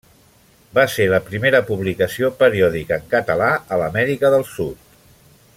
Va ser la primera publicació periòdica en català a l'Amèrica del Sud.